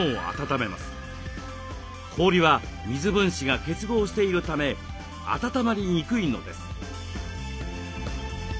氷は水分子が結合しているため温まりにくいのです。